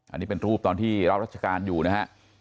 อันนี้เป็นรูปตอนที่รับรัชการอยู่นะฮะ